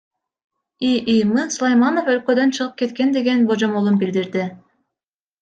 ИИМ Сулайманов өлкөдөн чыгып кеткен деген божомолун билдирди.